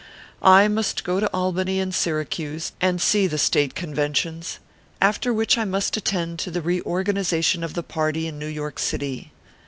I must go to Albany and Syracuse, and see the State Conventions ; after which I must attend to the re organization of the party in New York city.